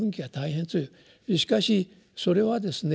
しかしそれはですね